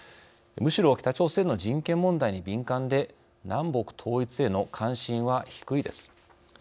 むしろ北朝鮮の人権問題に敏感で南北統一への関心は低いです。